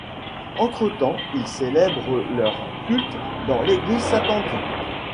Entre-temps ils célèbrent leur culte dans l'église Saint-André.